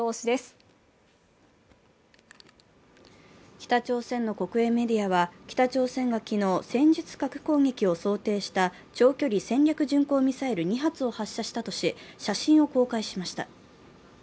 北朝鮮の国営メディアは北朝鮮が昨日、戦術核攻撃を想定した長距離戦略巡航ミサイル２発を発射したとし、写真を公開しました。